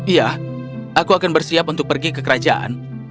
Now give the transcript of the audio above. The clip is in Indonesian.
iya aku akan bersiap untuk pergi ke kerajaan